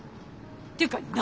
っていうか何？